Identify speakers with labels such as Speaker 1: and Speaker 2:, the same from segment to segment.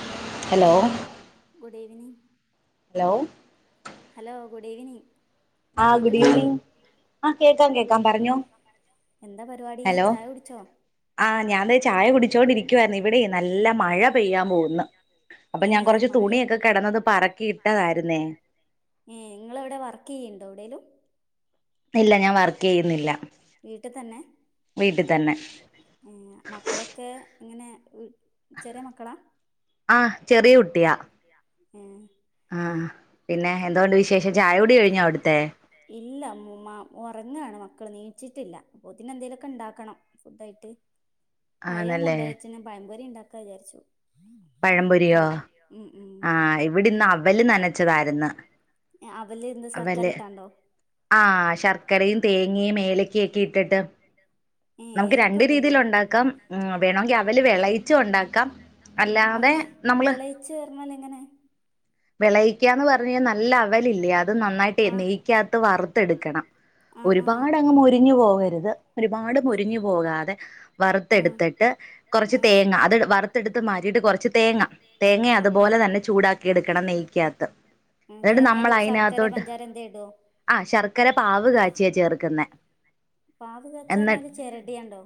Speaker 1: hello
Speaker 2: hello
Speaker 1: good evening
Speaker 2: hello
Speaker 1: hello good evening
Speaker 2: ആ good evening ആഹ് കേക്കാം കേക്കാം പറഞ്ഞോ
Speaker 1: എന്താ പരിപാടി
Speaker 2: ഹലോ
Speaker 1: ചായ കുടിച്ചോ
Speaker 2: ആഹ് ഞാൻ ദേ ചായ കുടിച്ചോണ്ടിരിക്കുവായിരുന്നു ഇവിടെ നല്ല മഴ പെയ്യാൻ പോകുന്നു അപ്പൊ
Speaker 1: ഏ
Speaker 2: ഞാൻ കൊറച്ച്
Speaker 1: മഴ
Speaker 2: തുണിയൊക്കെ കെടന്നത് പറക്കിയിട്ടതായിരുന്നേ
Speaker 1: ഏ നിങ്ങൾ എവിടെ വർക്ക് ചെയ്യുന്നുണ്ടോ എവിടെലും
Speaker 2: ഇല്ല ഞാൻ
Speaker 1: ഇല്ല ഞാൻ വർക്ക് ചെയ്യുന്നില്ല വീട്ടിൽ തന്നെ വീട്ടിൽ തന്നെ ഏ മക്കളൊക്കെ എങ്ങനെ ചെറിയ മക്കളാ
Speaker 2: ആഹ്
Speaker 1: മ്മ് ചെറിയകുട്ടിയാ
Speaker 2: ആഹ്പിന്നെ എന്തോണ്ട് വിശേഷം ചായ കുടി കഴിഞ്ഞോ അവിടുത്തെ
Speaker 1: ഇല്ല ഒറങ്ങാണ് മക്കൾ എനിച്ചിട്ടില്ല അപ്പൊതിന് എന്തേലൊക്കെ ഉണ്ടാക്കണം ഫുഡ് ആയിട്ട് പയം
Speaker 2: ആണല്ലേ
Speaker 1: ഉണ്ടച്ചേ പയംപൊരി ഉണ്ടാക്കാന്ന് വിചാരിച്ചു
Speaker 2: പഴംപൊരിയോ
Speaker 1: ആ ഉം ഉം
Speaker 2: ആഹ് ഇവിടന്ന് അവല് നനച്ചതായിരുന്നു
Speaker 1: ഏ, അവല് എന്ത് ശർക്കര
Speaker 2: അവല്
Speaker 1: ഇട്ടാണ്ടോ
Speaker 2: ആ ശർക്കരയും തേങ്ങയും ഏലക്കൊക്കെ ഇട്ടിട്ട്
Speaker 1: [unintelligible]
Speaker 2: നമുക്ക് രണ്ടു
Speaker 1: ഏലക്കൊക്കെ ഇടോ
Speaker 2: രീതിൽ ഉണ്ടാക്കാം ഉം വേണമെങ്കിൽ അവല് വെളയിച്ച് ഉണ്ടാക്കാം അല്ലാതെ
Speaker 1: അവല്
Speaker 2: നമ്മള്
Speaker 1: [unintelligible] എങ്ങനെ
Speaker 2: വിളയിക്കാന്ന് പറഞ്ഞാല് നല്ല അവലില്ലേ അത് നന്നായിട്ട്
Speaker 1: ആഹ്
Speaker 2: നെയ്ക്കാത്ത് വറുത്തെടുക്കണം
Speaker 1: ആഹ് ആഹ്
Speaker 2: ഒരുപാട് അങ്ങ് മൊരിഞ്ഞു പോകരുത് ഒരുപാട് മൊരിഞ്ഞു പോകാതെ
Speaker 1: ഉം
Speaker 2: വറുത്തെടുത്തിട്ട് കുറച്ച്
Speaker 1: ഉം
Speaker 2: തേങ്ങ അത് വറുത്തെടുത്ത് മാറ്റിയിട്ട് കുറച്ച് തേങ്ങ തേങ്ങ
Speaker 1: ആഹ്
Speaker 2: അതുപോലെ
Speaker 1: ആഹ്
Speaker 2: തന്നെ ചൂടാക്കി എടുക്കും നെയ്യ്ക്കാത്ത്
Speaker 1: തേങ്ങല് ശർക്കര പഞ്ചാര എന്തെ ഇടുവോ
Speaker 2: ആ ശർക്കര പാവ് കാച്ചിയ ചേർക്കുന്നെ
Speaker 1: പാവ്
Speaker 2: എന്നി
Speaker 1: കാച്ചവന്ന്റിഞ്ഞാല് ചെരടിയുണ്ടോ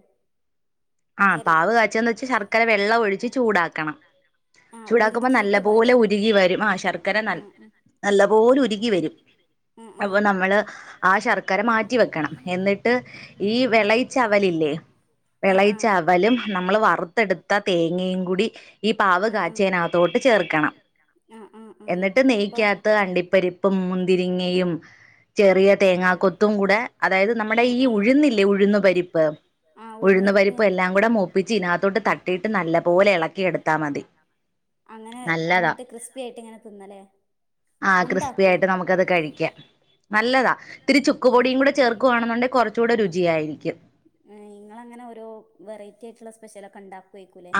Speaker 2: ആ പാവ് കാച്ചന്ന് വെച്ച ശർക്കര വെള്ളം ഒഴിച്ച് ചൂടാക്കണം
Speaker 1: ആഹ്
Speaker 2: ചൂടാക്കുമ്പോൾ നല്ല
Speaker 1: ഉരുക്കീട്ട് പാര
Speaker 2: പോലെ ഉരുകിവരും ആ ശർക്കര
Speaker 1: ഉം
Speaker 2: നല്ലപോലെ ഉരുകിവരും
Speaker 1: ഉം ഉം ഉം
Speaker 2: അപ്പൊ നമ്മള് ആ ശർക്കര മാറ്റി വെക്കണം എന്നിട്ട് ഈ വിള ചവലല്ലേ
Speaker 1: ആഹ്
Speaker 2: വിളയിച്ച
Speaker 1: ആഹ്
Speaker 2: അവലും നമ്മള് വറുത്തെടുത്ത തേങ്ങയും കൂടി ഈ പാവ്
Speaker 1: ഉം ഉം
Speaker 2: കാച്ചിയനകത്തോട്ട് ചേർക്കണം
Speaker 1: ആഹ് ആഹ് ആഹ്
Speaker 2: എന്നിട്ട്
Speaker 1: അപ്പൊ
Speaker 2: നെയ്ക്കാത്ത് അണ്ടിപ്പരിപ്പും മുന്തിരിങ്ങയും ചെറിയ തേങ്ങാക്കൊത്തും കൂടെ അതായത് നമ്മുടെ
Speaker 1: ഉം
Speaker 2: ഈ
Speaker 1: ഉം
Speaker 2: ഉഴുന്നില്ലേ ഉഴുന്നു പരിപ്പ്
Speaker 1: ആഹ് ഉഴുന്ന്
Speaker 2: ഉഴന്ന് പരിപ്പ് എല്ലാം കൂടെ മൂപ്പിച്ച് ഇതിനകത്തോട്ട് തട്ടിയിട്ട് നല്ലപോലെ ഇളക്കിയെടുത്താൽ മതി
Speaker 1: അങ്ങനെ
Speaker 2: നല്ലതാ
Speaker 1: അന്നിട്ട് ക്രിസ്പി ആയിട്ട് ഇങ്ങനെ തിന്നല്ലേ
Speaker 2: ആഹ് ക്രിസ്പി
Speaker 1: ഉണ്ടാക്കോ
Speaker 2: ആയിട്ട് നമുക്ക്ത് കഴിക്കാം നല്ലതാ ഇത്തിരി ചുക്ക് പൊടിയും
Speaker 1: ഉം
Speaker 2: കൂടെ ചേർക്കുയാണെന്നുണ്ടെിൽ കുറച്ചുകൂടെ രുചിയായിരിക്കും
Speaker 1: ങ്ങൾ അങ്ങനെ ഓരോ വെറൈറ്റി ആയിട്ടുള്ള സ്പെഷ്യലൊക്കെ ഉണ്ടാ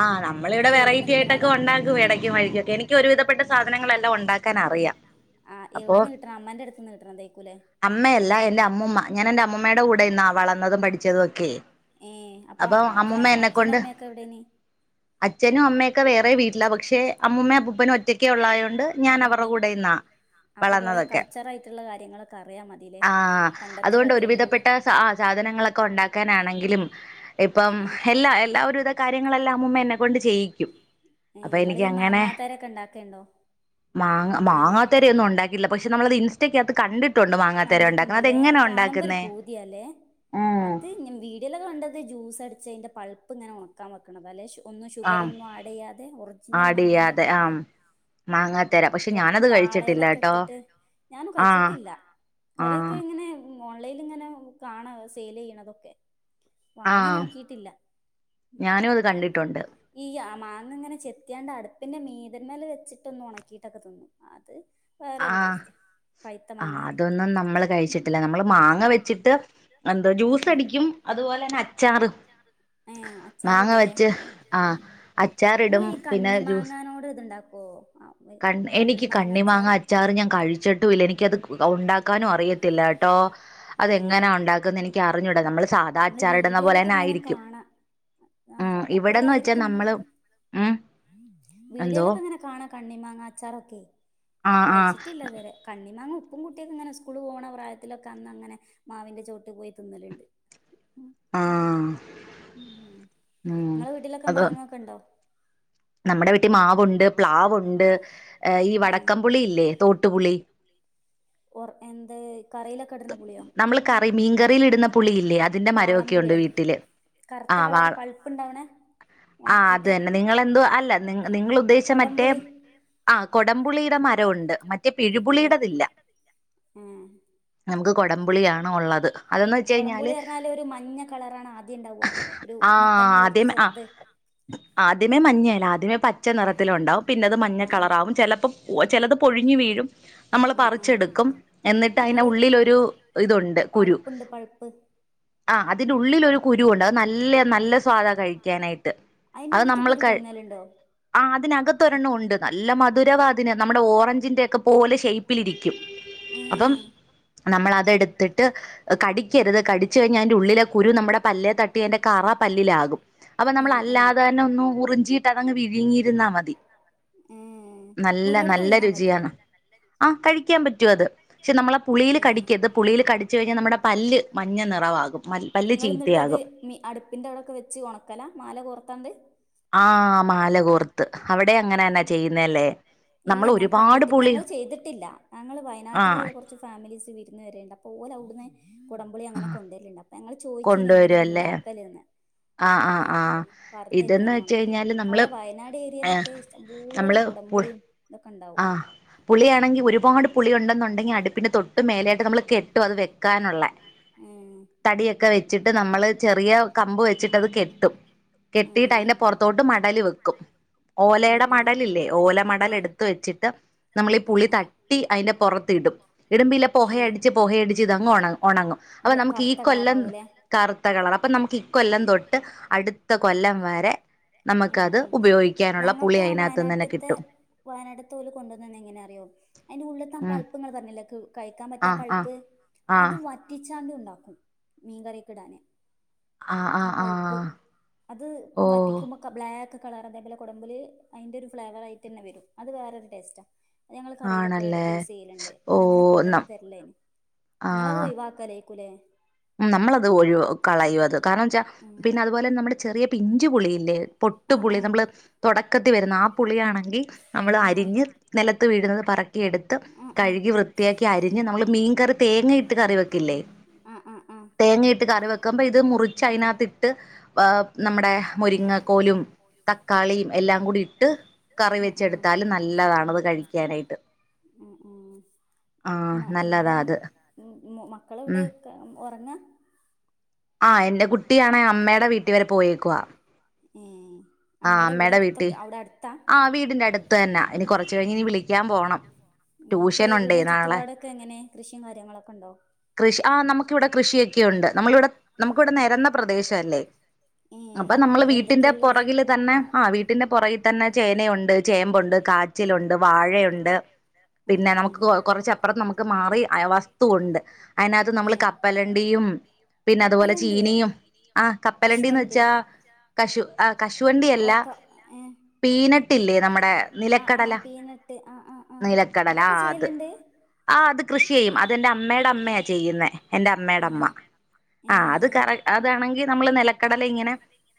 Speaker 2: ആഹ നമ്മള ഇവിടെ വെറൈറ്റ ആയിട്ടൊക്കെ ഉണ്ടാക്കും ഇടക്കും വഴിക്കൊക്കെ എനിക്ക് ഒരുവിധപ്പെട്ട സാധനങ്ങളൾല്ലാം ഉണ്ടാക്ക ക്കാൻറിയാം
Speaker 1: ആ വിടെ നിന്ന് കിട്ടണതാ അമ്മന്റെ അടുത്ത് നി കിട്ടണതേക്കൂലേ
Speaker 2: അമ്മയല്ല എൻന്റെ അമ്മൂമ്മ ഞാൻ എന്റെ അമ്മൂമ്മയുടെ കൂടെ ഇന്നാ വളന്നതും പഠിച്ചതും ഒക്കെ
Speaker 1: ഏ അപ്പൊ
Speaker 2: അമ്മൂമ്മ
Speaker 1: അച്ഛനും
Speaker 2: എന്നെക്കൊണ്ട്
Speaker 1: അമ്മയൊക്കെ എവിടെണ് അച്ഛനും അമ്മയൊക്കെ
Speaker 2: വീട്ടിലാ
Speaker 1: വേറെ വീട്ടില്ല പക്ഷെ
Speaker 2: അമ്മൂമ്മയും അപ്പൂപ്പനും ഒറ്റക്കെ
Speaker 1: അമ്മൂമ്മോപ്പനും
Speaker 2: ഉള്ളായോണ്ട്
Speaker 1: ഒച്ചക്കെള്ള
Speaker 2: ഞാൻ
Speaker 1: ഞൻ അവരുടെ
Speaker 2: നിന്നാ
Speaker 1: കൂടെ അപ്പൊ കൊറേ
Speaker 2: വളർന്നതൊക്കെ
Speaker 1: കൾച്ചർ ആയിട്ടുള്ള കാര്യങ്ങളൊക്കെ അറിയാ മതില്ലേ
Speaker 2: ആഹ്
Speaker 1: പണ്ടത്തെ
Speaker 2: അതുകൊണ്ട്
Speaker 1: കൾച്ചറിലുള്ള
Speaker 2: ഒരുവിധപ്പെട്ട സാധനങ്ങളൊക്കെ ഉണ്ടാക്കാനാണെങ്കിലും
Speaker 1: ആ
Speaker 2: ഇപ്പം
Speaker 1: ആ
Speaker 2: എല്ല എല്ല ഒരുവിധ കാര്യ കാര്യങ്ങളെല്ലാം എന്നെ കൊണ്ട് ചെയ്യിക്കും അപ്പൊ
Speaker 1: നിങ്ങൾ
Speaker 2: എനിക്ക്
Speaker 1: ഈ
Speaker 2: അങ്ങനെ
Speaker 1: മാങ്ങാത്തരൊക്കെ ഉണ്ടാക്കലുണ്ടോ
Speaker 2: മാങ്ങ മാങ്ങാത്തരെ ഒന്നും
Speaker 1: മാങ്ങ
Speaker 2: ഉണ്ടാക്കില്ല പക്ഷെ നമ്മളത് ഇൻസ്റ്റക്കകത്ത് കണ്ടിട്ടുണ്ട് മാങ്ങാത്തര ഉണ്ടാക്കുന്നത് അതെങ്ങനെയാ ഉണ്ടാക്കുന്നേ
Speaker 1: പൂതിയാലേ അത് വീഡിയോലൊക്കെ കണ്ടത് ജ്യൂസ് അടിച്ചതിന്റെ പൾപ്പ് ഇങ്ങനെ ഉണ ക്കാൻ വെക്കണത അല്ലെ ഒന്നും ഷുഗർ
Speaker 2: ആം
Speaker 1: ഒന്നും ആഡ് ചെയ്യാതെ ഒറിജിനൽ
Speaker 2: ആഡ്
Speaker 1: മാങ്ങന്റെ
Speaker 2: ചെയ്യാതെ
Speaker 1: പൾപ്പ്
Speaker 2: ആം
Speaker 1: ഉം
Speaker 2: മാങ്ങാത്തര പക്ഷെ ഞാനത് കഴിച്ചിട്ടില്ല
Speaker 1: പാളയിലൊക്കെ
Speaker 2: കേട്ടോ
Speaker 1: ഇട്ടിട്ട് ഞാനും
Speaker 2: ആഹ്
Speaker 1: കഴിച്ചിട്ടില്ല
Speaker 2: ആഹ്
Speaker 1: കൊറൊക്കെ ങ്ങനെ ഓൺലൈനി ഇങ്ങനെ കാണ സെയ്ൽ ചെയ്യ്ണതൊക്കെ വാങ്ങി
Speaker 2: ആഹ്
Speaker 1: നോക്കിട്ടില്ല
Speaker 2: ഞാനും അത് കണ്ടിട്ടുണ്ട്
Speaker 1: ഈ മാങ്ങ ഇങ്ങനെ ചെത്തിയാണ്ട് അടുപ്പിന്റെ മീതന്മല വെച്ചിട്ടൊ ഒന്ന് ഉണക്കി ഉണക്കിയിട്ടൊക്കെ തിന്നും അത് വേറൊരു ടെസ്റ്റ്
Speaker 2: ആ അതൊന്നും നമ്മള് കഴിച്ചിട്ടില്ല നമ്മള് മാങ്ങ വെച്ചിട്ട് എന്താ
Speaker 1: ഉം
Speaker 2: ജ്യൂസ്
Speaker 1: ഉം
Speaker 2: അടിക്കും അതുപോലെ തന്നെ അച്ചാറ്
Speaker 1: ഏ അച്ചാർ
Speaker 2: മാങ്ങ
Speaker 1: ഇടുലെ
Speaker 2: വെച്ച് ആ അച്ചാറിടും
Speaker 1: ങ്ങള് ഇ
Speaker 2: പിന്നെ
Speaker 1: കണ്ണി മാങ്ങാനോട് ഇതുണ്ടാക്കോ
Speaker 2: കണ്ണിഎനിക്ക് കണ്ണി മാങ്ങ അച്ചാറ് ഞാൻ കഴിച്ചിട്ടും ഇല്ല എനിക്ക അത് ഉണ്ടാക്കാനും അറിയത്തില്ല ട്ടോ അതെങ്ങനെയാ
Speaker 1: ഏഹ്
Speaker 2: ഉണ്ടാക്കന്ന് എനിക്ക് അറിഞ്ഞൂടാ നമ്മള് സാധാ അച്ചാറി ഇടുന്ന
Speaker 1: [unintelligible] ഇങ്ങനെ കാണാ അ
Speaker 2: ഉം
Speaker 1: സാദാ പോലെ
Speaker 2: ഇവിടെന്ന് വെച്ചാ
Speaker 1: ആയിരിക്കും
Speaker 2: നമ്മള് ഉം എന്തോ
Speaker 1: വീഡിയോലൊക്കെ അങ്ങനെ കാണാ കണ്ണി മാങ്ങ അച്ചാറൊക്കെ
Speaker 2: ആ ആ
Speaker 1: കഴിച്ചിട്ടില്ലതുവരെ കണ്ണിമാങ്ങ ഉപ്പും കുട്ടിയൊക്കെ ഇങ്ങനെ സ്കൂള് പോണ പ്രായത്തിലൊക്കെ അന്ന് അങ്ങനെ മാവിൻ്റെ ചോട്ടിൽ പോയി തിന്നല്ണ്ട്
Speaker 2: ആ ഉം
Speaker 1: ഇങ്ങളെ വീട്ടിലൊക്കെ
Speaker 2: അത്
Speaker 1: മാങ്ങൊക്കെണ്ടോ
Speaker 2: നമ്മുടെ വീട്ടിൽ മാവുണ്ട് പ്ലാവുണ്ട് ഈ
Speaker 1: ഉം
Speaker 2: വടക്കം പുളി ഇല്ലേ തോട്ടുപുളി
Speaker 1: എന്ത് കറിയിലൊക്കെ ഇട്ണ പുളിയോ
Speaker 2: നമ്മള് കറി മീൻകറിയിൽ ഇടുന്ന പുളിയില്ലേ അതിന്റെ
Speaker 1: വാളൻ
Speaker 2: മരമൊക്കെ ഉണ്ട്
Speaker 1: പുളിയ
Speaker 2: വീട്ടില് ആ
Speaker 1: കറുത്ത
Speaker 2: വാ
Speaker 1: കളർ പഴുപ്പ്ണ്ടാവണേ
Speaker 2: ആ അതന്നെ നിങ്ങളെന്തോ അല്ല നി നിങ്ങൾ ഉദ്ദേശിച്ച മറ്റേ
Speaker 1: കൊടംപുളി
Speaker 2: ആ കൊടംപുളിയുടെ മരംവുണ്ട് മറ്റേ പിഴുപുളിയുടെ ഇല്ല
Speaker 1: ഉം
Speaker 2: നമുക്ക് കൊടംപുളിയണ് ഉള്ളത് അതന്ന് വെച്ച് കഴിഞ്ഞാല്
Speaker 1: കൊടംപുളി പറഞ്ഞാല് ഒരു മഞ്ഞ കളറാണ് ആദ്യം ഇണ്ടാവ ഒരു
Speaker 2: ആഹ്
Speaker 1: മത്തങ്ങ
Speaker 2: അതേ
Speaker 1: പോലത്തെ
Speaker 2: ആ
Speaker 1: ചെറുത്
Speaker 2: ആദ്യമേ മഞ്ഞേണ് ആദ്യമേ പച്ച നിറത്തില് ഉണ്ടാവും പിന്നെ അത് മഞ്ഞ
Speaker 1: ആഹ് ആഹ്
Speaker 2: കളറാവും ചെലപ്പൊ ചിലത് പൊഴിഞ്ഞു വീഴും നമ്മൾ
Speaker 1: ആഹ് ആഹ്
Speaker 2: പറിച്ചെടുക്കും എന്നിട്ട് അയ്നെ
Speaker 1: ഇങ്ങള്
Speaker 2: ഉള്ളിലൊരു ഇതുണ്ട് കുരു
Speaker 1: പഴുപ്പുണ്ട് പഴുപ്പ്
Speaker 2: ആ അതിൻ്റെ ഉള്ളിലൊരു കുരുണ്ട് അത് നല്ല നല്ല സ്വാദാ കഴിക്കാനായിട്ട് അത്
Speaker 1: അയ്നുളള്ത്തെ കുരു
Speaker 2: നമ്മൾ
Speaker 1: തിന്നലുണ്ടോ
Speaker 2: ആ അതിനകത്ത് ഒരെണ്ണം ഉണ്ട് നല്ല മധുരവാതിന് നമ്മുടെ ഓറഞ്ചിന്റെ ഒക്കെ പോലെ ഷേ്യ്പിലിരിക്കും
Speaker 1: ഏഹ്
Speaker 2: അപ്പം നമ്മളതെടു ത്ട്ട് കടിക്കരുത് കടിച്ച്കഴിഞ്ഞാൽ അതിന്റെ ഉള്ളിലെ കുരു നമ്മുടെ പല്ലെ തട്ടി അയിന്റെ കറ പല്ലില് ആകും അപ്പൊ നമ്മള്
Speaker 1: ഏഹ് ഏഹ്
Speaker 2: അല്ലാതെ തന്നെ ഒന്നും ഉറിഞ്ചിട്ട് അതങ്ങ് വിഴങ്ങിയിരുന്നാൽ മതി
Speaker 1: ഏഹ്
Speaker 2: നല്ല
Speaker 1: കുരുവോടൊക്കെ
Speaker 2: നല്ല
Speaker 1: വിഴുങ്ങാൻ
Speaker 2: രുചിയാണ് ആഹ് കഴിക്കാൻ പ
Speaker 1: ആഹ് കഴിക്കാൻ പറ്റുത്
Speaker 2: പുളീല് കടിക്കരുത് പുളിയിൽ കടിച്ച് കഴിഞ്ഞാൽ നമ്മുടെ പല്ല് മഞ്ഞ നിറവമാകും പല്ല്
Speaker 1: ഇങ്ങള് എന്നിട്ടത്
Speaker 2: ചീത്തയാകും
Speaker 1: മി അടുപ്പിന്റെ അവടൊക്കെ വെച്ച് ഒണക്കല മാല കോർത്താണ്ട് ആ
Speaker 2: മാല കോർത്ത്
Speaker 1: മാലകോർത്ത്
Speaker 2: അങ്ങനെ
Speaker 1: അവിടെ
Speaker 2: തന്നെ
Speaker 1: അങ്ങനന്നെ
Speaker 2: ചെയ്യുന്നല്ലേ
Speaker 1: ചെയ്യുന്ന ല്ലേ
Speaker 2: നമ്മൾ
Speaker 1: ഇല്ല ഞാ
Speaker 2: ഒരുപാട്
Speaker 1: കണ്ടിട്ട്
Speaker 2: പുളി
Speaker 1: ഞങ്ങൾ ചെയ്തിട്ടില്ല ഞങ്ങൾ
Speaker 2: ആ
Speaker 1: വയനാട്ടിലുള്ള കുറച്ച് ഫാമിലീസ് വിരുന്ന് വര്ണ്ട് അപ്പോ ഓലവ്ട്ന്ന് കൊടമ്പുളി
Speaker 2: ആ
Speaker 1: അങ്ങന കൊണ്ടരല്ണ്ട് അപ്പൊ ഞങ്ങള് ചോദിച്ചിനി എങ്ങനെ ഇത്
Speaker 2: കൊണ്ടുവരുവല്ലേ
Speaker 1: ഇണ്ടാക്കല് ന്ന്
Speaker 2: ആഹ്
Speaker 1: അങ്ങനെ
Speaker 2: ആഹ്
Speaker 1: അപ്പൊ
Speaker 2: ആഹ്
Speaker 1: പറഞ്ഞരു
Speaker 2: ഇതെന്ന്
Speaker 1: ങ്ങനെ
Speaker 2: വെച്ച്
Speaker 1: ഒണക്കി
Speaker 2: കഴിഞ്ഞാല് നമ്മള്
Speaker 1: അവടെ വയനാട്
Speaker 2: ഏഹ്
Speaker 1: ഏരിയയിലൊക്കെ [unintelligible] കൊടമ്പുളീം
Speaker 2: ആ പുളിയാണെങ്കിൽ ഒരുപാട് പുളി ഉണ്ടെന്നുണ്ടെങ്കിൽ അടുപ്പിന്റെ തൊട്ട് മേലായിട്ട് നമ്മൾ കെട്ടും അത് വേ
Speaker 1: ഉം ഒതുക്കാനുണ്ട് ഏഹ്
Speaker 2: തടിയൊക്കെ വെച്ചിട്ട് നമ്മള് ചെറിയ കമ്പ് വെച്ചിട്ടത് കെട്ടും കെട്ടീട്ട്
Speaker 1: ഉം
Speaker 2: അയിന്റെ പൊറത്തോട്ട് മടൽ വെക്കും
Speaker 1: ഉം ആഹ്
Speaker 2: ഓലയുടെ മടലില്ലേ
Speaker 1: ആഹ്
Speaker 2: ഓല മടല് ട് ത്ത് വെച്ചിട്ട് നമ്മളീ
Speaker 1: ആഹ്
Speaker 2: പുളി
Speaker 1: ആഹ് ആഹ്
Speaker 2: തട്ടി അയിന്റെ പൊറത്ത് ഇടും ഇടുമ്പില്ല
Speaker 1: ഏഹ്
Speaker 2: പൊഹയടിച്ച് പൊഹയടിച്ച് ഇതങ്ങ് ഒണങ്ങ് ഒണങ്ങും അപ്പൊ നമുക്ക് ഈ
Speaker 1: കറുത്ത
Speaker 2: കൊല്ലം
Speaker 1: കളറാവൂലേ
Speaker 2: കറുത്ത കളർ അപ്പൊ നമുക്ക് ഈ കൊല്ലം
Speaker 1: ഉം
Speaker 2: തൊട്ട് അടു ത്ത കൊല്ലം വരെ
Speaker 1: ഉം
Speaker 2: നമുക്കത്
Speaker 1: ഉം
Speaker 2: ഉപയോഗിക്കാനുള്ള പുളി അതിനകത്തു ന്ന് തന്നെ കിട്ടും
Speaker 1: വയനാട്ട്ത്തോല് കൊണ്ടുവന്നന്നെ എങ്ങനെ അറിയോ അയിന്റെ ഉള്ള്ത്തആ
Speaker 2: ഉം
Speaker 1: പൾപ്പ് ങ്ങള്പറഞ്ഞില്ല ക്ക് കഴിക്കാൻ
Speaker 2: ആ
Speaker 1: പറ്റിയ
Speaker 2: ആ
Speaker 1: പൾപ്പ്
Speaker 2: ആ
Speaker 1: അത് വറ്റിച്ചാണ്ട് ണ്ടാക്കും മീൻകറീക്ക്ടാന് ആ പൾപ്പ് അത്
Speaker 2: ഓ
Speaker 1: വറ്റിക്കുമ്പ ബ്ലാക്ക് കളർ ഇതെ പോലെ കുടമ്പില് അയിന്റെ ഒരു ഫ്ലവർആയിട്ടെന്നെ വരും അത് വേറൊരു ടേസ്റ്റാ അത് ഞങ്ങള് കറീലൊക്കെ
Speaker 2: ആണല്ലേ
Speaker 1: യൂസ് യ്യലണ്ട്
Speaker 2: ഓ
Speaker 1: ഓലങ്ങനെ
Speaker 2: നം
Speaker 1: കൊണ്ടോന്ന് തരിലേന് ഇങ്ങളത് ഒഴിവാക്ക ലേക്കൂലേ
Speaker 2: ഉം നമ്മളത് ഒഴിവ കളയു അത് കാരണം വെച്ചാ
Speaker 1: ഉം
Speaker 2: പിന്നെ അതുപോലെ നമ്മള് ചെറിയ പിഞ്ച് പുളിയില്ലേ പൊട്ടു
Speaker 1: ആഹ്
Speaker 2: പുളി
Speaker 1: ആഹ്
Speaker 2: നമ്മള് തൊടക്കത്തി വരുന്ന ആ പുളിയാണെങ്കി നമ്മള്
Speaker 1: ആഹ് ആഹ്
Speaker 2: അരിഞ്ഞ് നിലത്ത് വീഴുന്നത് പറക്കിയെടുത്ത്
Speaker 1: ആഹ് ആഹ്
Speaker 2: കഴുകി വൃത്തിയാക്കി അരിഞ്ഞ് നമ്മള് മീൻ കറി തേങ്ങയിട്ട് കറി വെക്കില്ലേ
Speaker 1: ആഹ് ആഹ് ആഹ്
Speaker 2: തേങ്ങയിട്ട് കറി വെക്കുമ്പ ഇത് മുറിച്ച് അയിനകത്തി ട്ട് നമ്മുടെ മുരിങ്ങ കോലും
Speaker 1: ങ്ങാക്കോലും തക്കാളിം എല്ലാം കൂടി ഇട്ട് ആ
Speaker 2: കറി വെച്ചെടുത്താല്
Speaker 1: [unintelligible] ടുത്താലും
Speaker 2: നല്ലതാണത്
Speaker 1: നല്ലതാണ്
Speaker 2: കഴിക്കാനായിട്ട്
Speaker 1: ഉം ഉം
Speaker 2: ആഹ്
Speaker 1: മ്മ ങ്ങളെ
Speaker 2: നല്ലതാ അത്
Speaker 1: മ് മ് മക്കളവിടെ
Speaker 2: ഉം
Speaker 1: ക്കെ ഒറങ്ങാ
Speaker 2: ആഹ് എന്റെ കുട്ടിയാണെഅമ്മെടെ വീട്ടി വരെ പോയേക്കുവ
Speaker 1: ഏഹ്
Speaker 2: ആഹ്
Speaker 1: അമ്മയുടെ വീട്
Speaker 2: അമ്മയേടെ വീട്ടി
Speaker 1: അടുത്തൊക്കെ അവിടെ അടുത്താ
Speaker 2: ആ വീടിന്റെ അടുത്ത് തന്നാ ഇനി കൊറച്ചു കഴിഞ്ഞ് ഇനി വിളിക്കാൻ പോണം
Speaker 1: ഇങ്ങക്ക്
Speaker 2: ട്യൂഷൻ ഉണ്ടേ
Speaker 1: വടെ
Speaker 2: നാളെ
Speaker 1: ചുറ്റുപാടൊക്കെ എങ്ങനെ കൃഷിയും കാര്യങ്ങളൊക്കെ ണ്ടോ
Speaker 2: ആ കൃഷി ആ നമുക്കിവിടെ കൃഷിയൊക്കെ ഉണ്ട് നമ്മള് വടെ നമുക്ക് വടെ നരന്നപ്രദേശല്ലേ
Speaker 1: ഏ
Speaker 2: അപ്പ നമ്മള് വീട്ടിന്റെ
Speaker 1: എന്തൊക്കെയുള്ളത്
Speaker 2: പുറകില് ന്നെ ആ വീട്ടിന്റെ പുറകിൽ തന്നെ ചേനയുണ്ട് ചേമ്പുണ്ട് കാച്ചിലുണ്ട് വാഴയുണ്ട്
Speaker 1: ഉം
Speaker 2: പിന്നെ
Speaker 1: ഉം
Speaker 2: നമുക്ക്
Speaker 1: ഉം
Speaker 2: കൊ കൊറച്ചപ്പുറം നമുക്ക് മാറി വസ്തുഉണ്ട് അയിനകത്ത് നമ്മൾ കപ്പലണ്ടിയും പിന്നെ അതുപോലെ
Speaker 1: കപ്പലണ്ടിയോ
Speaker 2: ചീനിയും ആ കപ്പലണ്ടിന്ന് വെച്ചാ കശു ആ കശ്
Speaker 1: ഓർത്ത ഏഹ്
Speaker 2: പീനട്ടില്ലേ
Speaker 1: പീനട്ട്
Speaker 2: നമ്മുടെ
Speaker 1: ആഹ്
Speaker 2: നിലക്കടല
Speaker 1: ആഹ് പീനട്ട് ആ ആ
Speaker 2: നിലക്കടല
Speaker 1: അതൊക്കെ
Speaker 2: ആ അത്
Speaker 1: ചെയ്യല്ണ്ട്
Speaker 2: ആഹ് അത് കൃഷി ചെയ്യും അത്എന്റെ അമ്മേടെ അമ്മയാ ചെയ്യുന്നേ എൻറെ അമ്മടെ അമ്മ
Speaker 1: ഏ ഏ
Speaker 2: ആ അത് കറ അതാണെങ്കി നമ്മള് നെലക്കടല ഇങ്ങനെ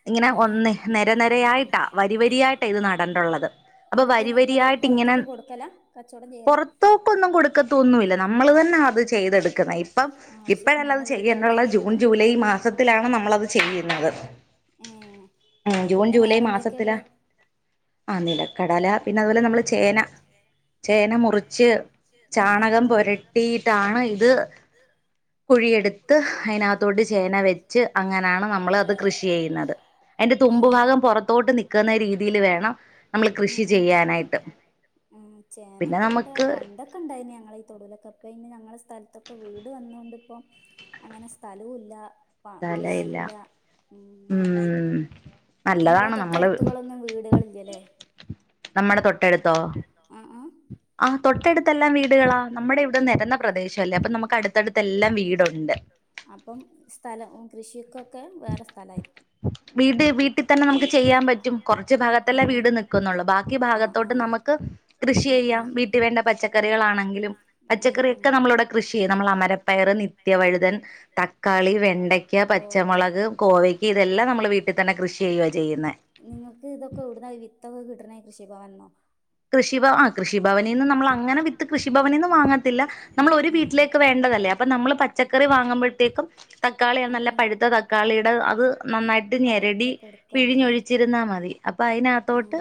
Speaker 2: ഇങ്ങനെ ഒന്ന് നെരനെരയായിട്ടാ വരിവരിയായിട്ടാ ഇത് നടണ്ടുള്ളത് അപ്പൊ
Speaker 1: എന്നിട്ട് നിങ്ങള്
Speaker 2: വരിവരിയായിട്ട്ങ്ങനെ
Speaker 1: പുറത്തേക്ക് കൊടുക്കല കച്ചവടം ചെയ്യല
Speaker 2: പുറത്തോക്കൊന്നും കൊടുക്കത്തൊന്നുല്ല നമ്മള് തന്നെ അത് ചെയ്തെടുക്കുന്നായിരി പ്പം
Speaker 1: ആവശ്യത്തിന്
Speaker 2: ഇപ്പോഴല്ല അത് ചെയ്യേണ്ടുള്ള ജൂൺ ജൂലൈ മാസം
Speaker 1: ഉം
Speaker 2: ഉം ജൂൺ
Speaker 1: പിന്നെ
Speaker 2: ജൂലൈ
Speaker 1: വേറെന്തൊക്കെയള്ള
Speaker 2: മാസത്തിലാ ആഹ് നിലക്കടല പിന്നെ അതുപോലെ നമ്മള് ചേന ചേന മുറിച്ച്
Speaker 1: ആ ആ
Speaker 2: ചാണകം പൊരട്ടിയിട്ടാണ് ഇത് കുഴിയെടുത്ത് അതിനതിനകത്തോട്ട് ചേന വെച്ച് അങ്ങനാണ് നമ്മളത് കൃഷി ചെയ്യുന്നത് അയ്ന്റെ
Speaker 1: ആ
Speaker 2: തുമ്പു ഭാഗം പുറത്തോട്ട് നിക്കുന്ന രീതിയില് വേണം നമ്മള് കൃഷി ചെയ്യാ
Speaker 1: കൃഷി ചെയ്യാനായിട്ട് ഉം ചേനത്തവടെ
Speaker 2: നമുക്ക്
Speaker 1: പണ്ട് ക്കെണ്ടായിനി ഞങ്ങളീ തൊടൂലൊക്കെപ്പയ്ന് ഞങ്ങളെ സ്ഥലത്തൊക്കെ വീട് വന്നോണ്ട്പ്പം അങ്ങനെ സ്ഥലുല്ല പ
Speaker 2: സ്ഥലമില്ല
Speaker 1: കൃഷിയുല്ല ഉം
Speaker 2: ഉം
Speaker 1: ഇങ്ങളെ
Speaker 2: നല്ലതാണ് നമ്മള്
Speaker 1: തൊട്ടടുത്തുകളൊന്നും വീടുകളില്ലല്ലേ
Speaker 2: നമ്മടെ തൊട്ടടുത്തോ
Speaker 1: ആഹ് ആഹ്
Speaker 2: ആ
Speaker 1: ആഹ്
Speaker 2: വീടുകളാ
Speaker 1: തൊട്ടടുത്തെല്ലാം
Speaker 2: നമ്മുടെ
Speaker 1: വീടുകളാ
Speaker 2: ഇവിടെ
Speaker 1: നമ്മുടെ ഇവിടെ നിരന്ന
Speaker 2: പ്രദേശമല്ലേ
Speaker 1: പ്രദേശല്ലേ അപ്പൊ നമുക്ക് അടുത്തടുത്തെല്ലാം
Speaker 2: വീടുണ്ട്
Speaker 1: വീട അപ്പം സ്ഥലം കൃഷിയിക്കൊക്കെ വേറെ സ്ഥലായിരിക്കും
Speaker 2: വീട് വീട്ടിൽ തന്നെ നമുക്ക് ചെയ്യാൻ പറ്റും കുറച്ച് ഭാഗത്തെല്ലേ
Speaker 1: ആ ആ
Speaker 2: വീട് നിക്കുന്നുള്ളൂ ബാക്കി
Speaker 1: ആ ആ
Speaker 2: ഭാഗത്തോട്ട്
Speaker 1: ആ
Speaker 2: നമക്ക്
Speaker 1: ആ ആ ആ
Speaker 2: കൃഷിയെയ്യാം വീട്ടി വേണ്ട പച്ചക്കറികളാണെങ്കിലും പച്ചക്കറിയൊക്കെ നമ്മളിവിടെ കൃഷി ചെയ്യും നമ്മളമരപ്പയറ് നി ത്യവഴുതൻ തക്കാളി വെണ്ടയ്ക്ക
Speaker 1: ഓ
Speaker 2: പച്ചമുളക് കോവയ്ക്ക് ഇതെല്ലാം നമ്മള് വീട്ടിൽ തന്നെ കൃഷി ചെയ്യുവ ചെയ്യുന്നെ
Speaker 1: നിങ്ങക്ക് തൊക്കെ എവ്ട്ന്നാ ഈ വിത്തൊക്കെ കിട്ടുന്നെ കൃഷി ഭവൻന്നോ
Speaker 2: കൃഷി ഭവ ആ കൃഷിഭവനിൽന്ന് നമ്മളങ്ങനെ വിത്ത് കൃഷിഭവനിന്ന് വാങ്ങത്തില്ല നമ്മളൊരു
Speaker 1: ഉം
Speaker 2: വീട്ടിലേ
Speaker 1: ഉം
Speaker 2: ക്ക്‌ വേണ്ടതല്ലേ അപ്പൊ നമ്മള് പച്ചക്കറി വാങ്ങുമ്പോഴത്തേക്കും തക്കാളിയാണ്
Speaker 1: ഉം
Speaker 2: നല്ല
Speaker 1: ഉം
Speaker 2: പഴുത്ത തക്കാളിയുടെ അത് നന്നായിട്ട് ഞെരടി
Speaker 1: വളത്തൊക്കെ എടുക്കാതില്ലേ
Speaker 2: പിഴിഞ്ഞൊഴിച്ചിരുന്നാ മതി അപ്പൊ
Speaker 1: ആ
Speaker 2: അയ്നകത്തോട്ട്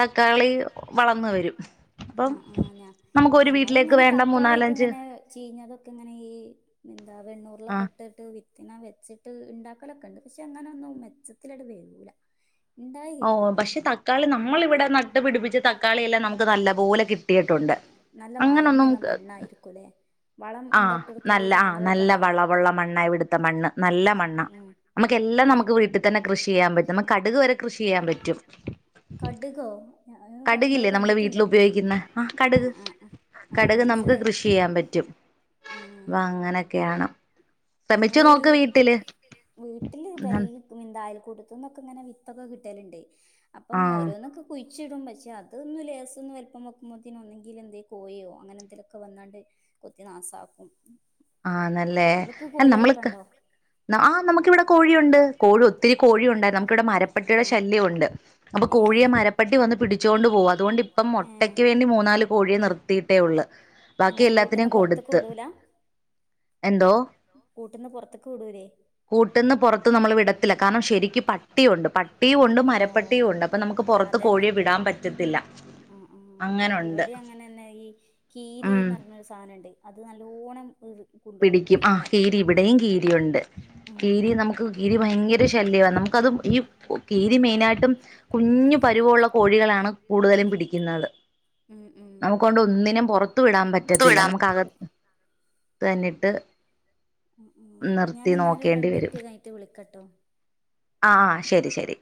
Speaker 2: തക്കാളി വളർന്ന് വരും അപ്പം
Speaker 1: ആഹ് ആഹ് ഞാ
Speaker 2: നമുക്കൊരു വീട്ടിലേക്ക് വേണ്ട മൂന്നാലഞ്ച്
Speaker 1: ചീഞ്ഞതൊക്കെങ്ങനെ ഈ എന്താ വെണ്ണൂറിലൊക്കെ
Speaker 2: ആഹ്
Speaker 1: ട്ടിട്ട് വിത്തിന വെച്ചിട്ട് ണ്ടാക്കലൊക്കെണ്ട് പക്ഷെ അങ്ങനെന്നും മെച്ചത്തിലട്ട് വരൂല ഇണ്ടായി
Speaker 2: ഓ
Speaker 1: കിട്ടൂല
Speaker 2: പക്ഷെ തക്കാളി നമ്മളിവിടെ നട്ട് പിടിപ്പിച്ച് തക്കാളിയെല്ലാം നമുക്ക് നല്ല പോലെ കിട്ടിയിട്ടുണ്ട് അങ്ങനൊന്നും
Speaker 1: ക്കുലേ
Speaker 2: ആഹ് നല്ല ആ നല്ല
Speaker 1: ഉണ്ടോ
Speaker 2: വളവുള്ള മണ്ണായിടുത്ത മണ്ണ് നല്ല മണ്ണ്
Speaker 1: ഉം
Speaker 2: ണ്ണ നമുക്കെല്ലാം
Speaker 1: ഏഹ്
Speaker 2: നമുക്ക് വീട്ടിൽ തന്നെ കൃഷിയ്യാൻ പറ്റും നമക്ക് കടുക് വരെ കൃഷിയ്യാൻ പറ്റും
Speaker 1: കടുകോ നിങ്ങള്
Speaker 2: കടുകില്ലേ നമ്മള്
Speaker 1: കണ്ടിട്ടുണ്ടോ
Speaker 2: വീട്ടിലുപയോഗിക്കുന്ന ആഹ് കടുക്
Speaker 1: ആഹ് ആഹ്
Speaker 2: കട്ക് നമുക്ക്
Speaker 1: മനസ്സിലായി
Speaker 2: കൃഷി ചെയ്യാൻ പറ്റും അപ്പ അങ്ങനൊക്കെയാണ് ശ്രമിച്ചു
Speaker 1: ഇങ്ങളീ
Speaker 2: നോക്ക് വീട്ടില്
Speaker 1: വീട്ടില് തൈ ന്തായൽ കൂട്ടത്ത്ന്നൊക്കെങ്ങനെ വിത്തൊക്കെ കിട്ടല്ണ്ട് അപ്പം
Speaker 2: ആഹ്
Speaker 1: ഓരോന്നൊക്കെ കുയ് ച്ച്ടും പക്ഷെ അതൊന്ന് ലേസൊന്ന് വൽപ്പം വെക്കുമ്പോത്തിന് ഒന്നെങ്കിലെന്തേ കോയോ അങ്ങനെന്തെലൊക്കെ വന്നാണ്ട് കൊത്തി നാസാക്കും
Speaker 2: ആനല്ലേ
Speaker 1: നിങ്ങൾക്ക് കോഴികളൊക്കെ
Speaker 2: നമ്മള്ക്ക
Speaker 1: ഉണ്ടോ
Speaker 2: ആഹ് നമുക്കിവിടെ കോഴിയുണ്ട് കോ ഒത്തിരി കോഴിയുണ്ടായിരുന്നു നമുക്കിവിടെ മരപ്പെട്ടിയുടെ
Speaker 1: ആഹ്
Speaker 2: ശല്യമുണ്ട് അപ്പൊ
Speaker 1: ഏഹ്
Speaker 2: കോഴിയെ മരപ്പെട്ടി വന്ന് പിടിച്ചോണ്ട് പോവു അതുകൊണ്ടിപ്പം
Speaker 1: ഏഹ്
Speaker 2: മുട്ടക്ക് വേണ്ടി മൂന്നാല് കോഴിയെ നിർത്തിയിട്ടേ ഉള്ളു ബാക്കി
Speaker 1: എങ്ങനെ
Speaker 2: എല്ലാത്തിനേം
Speaker 1: കൂട്ട്ന്ന് പുറത്ത്ക്ക്
Speaker 2: കൊടുത്ത്
Speaker 1: വിടൂല
Speaker 2: എന്തോ
Speaker 1: കൂട്ട്ന്ന് പൊർത്ത്ക്ക് വിടൂല്ലേ
Speaker 2: കൂട്ട്ന്ന് പുറത്ത് നമ്മള് വിടത്തില്ല കാരണം ശരിക്കും പട്ടിയുണ്ട് പട്ടിയും ഉണ്ട്
Speaker 1: ഓഹ്
Speaker 2: മരപ്പട്ടിയും ഉണ്ട് അപ്പൊ നമുക്ക് പുറത്ത് കോഴിയെ
Speaker 1: അതന്നെ
Speaker 2: വിടാൻ പറ്റത്തില്ല
Speaker 1: ഉം ഉം
Speaker 2: അങ്ങനുണ്ട്
Speaker 1: ഇവിടെ അങ്ങനെന്നെ ഈ
Speaker 2: ഉം
Speaker 1: കീരിന്നർഞ്ഞൊരു സാനണ്ട് അത് നല്ലോണം കൊണ്ടോകും
Speaker 2: പിടിക്കും ആഹ്
Speaker 1: കോഴിക്കളെ
Speaker 2: കീരി ഇവിടേം
Speaker 1: ഉം
Speaker 2: കീരിയുണ്ട്
Speaker 1: ഉം
Speaker 2: കീരി നമുക്ക് കീരി ഭയങ്കര ശല്യവാ നമുക്കത് ഈ കീ മെയ്നായ്ട്ടും കുഞ്ഞു പരിവൊള്ള കോഴികളാണ് കൂട്തലും പിടിക്കുന്നത്
Speaker 1: ഉം ഉം
Speaker 2: നമുക്കോണ്ട് ഒന്നിനും പൊർത്ത് വിടാൻ പറ്റത്തില്ല നമുക്ക് അക ത്ത് തന്നെ ഇട്ട്
Speaker 1: ഉം ഉം
Speaker 2: നിർത്തി
Speaker 1: ഞാന് ഇന്നാ ഒരു
Speaker 2: നോക്കേണ്ടി
Speaker 1: രണ്ട് മിൻറ്റ് കഴിഞ്ഞിട്ട് വിളിക്കട്ടോ
Speaker 2: ആഹ് ശെരി ശെരി